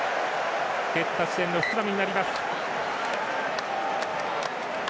蹴った時点のスクラムになります。